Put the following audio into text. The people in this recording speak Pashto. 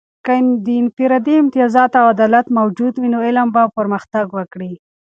که د انفرادي امتیازات او عدالت موجود وي، نو علم به پرمختګ وکړي.